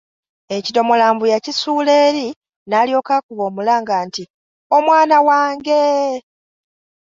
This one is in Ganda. Ekidomola mbu yakisuula eri n’alyoka akuba omulanga nti, “Omwana wange!''